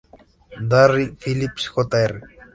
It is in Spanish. Larry Phillips, Jr.